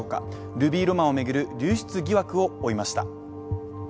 ルビーロマンを巡る流出疑惑を追いました。